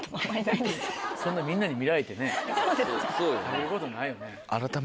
食べることないよね。